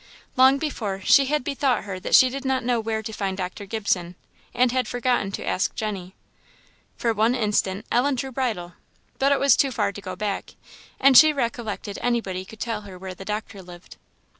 Long before, she had bethought her that she did not know where to find Dr. Gibson, and had forgotten to ask Jenny. For one instant Ellen drew bridle, but it was too far to go back, and she recollected anybody could tell her where the doctor lived.